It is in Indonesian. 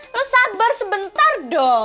lo sabar sebentar dong